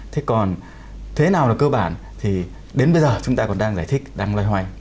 thế còn thế nào là cơ bản thì đến bây giờ chúng ta còn đang giải thích đang loay hoay